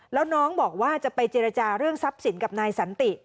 แล้วน้องบอกว่าจะไปเจรจาเรื่องทรัพย์สินกับนายสันติ